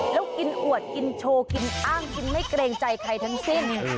แล้วกินอวดกินโชว์กินอ้างกินไม่เกรงใจใครทั้งสิ้น